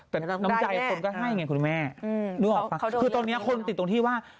แต่น้ำใจคนก็ให้ไงคุณแม่นึกออกป่ะคือตอนนี้คนติดตรงที่ว่า